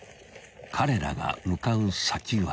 ［彼らが向かう先は］